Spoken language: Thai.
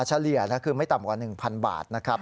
เฉลี่ยคือไม่ต่ำกว่า๑๐๐บาทนะครับ